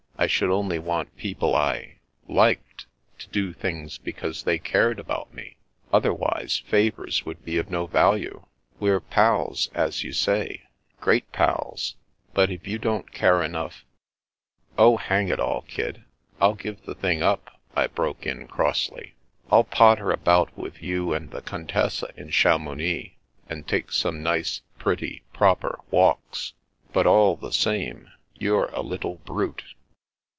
I should only want people I — liked, to do things because they cared about me, otherwise favours would be of no value. We're pals, as you say, great pals, but if you don't care enough "" Oh, hang it all, Kid, I'll give the thing up," I broke in, crossly. " I'll potter about with you and the Contessa in Chamounix, and take some nice, pretty, proper walks. But all the same, you're a little brute."